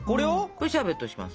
これシャーベットにします。